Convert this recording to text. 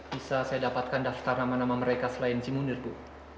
bisa saya dapatkan daftar nama nama mereka selain si munir bu